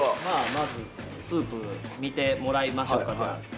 まずスープ見てもらいましょうか。